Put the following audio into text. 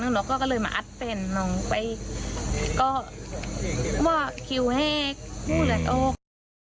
แล้วก็เลยมาอัดเป็นน้องไปก็ว่าคิวแฮกพูดแหละโอ๊ค